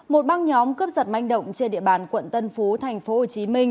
một băng nhóm cướp giật manh động trên địa bàn quận tân phú tp hcm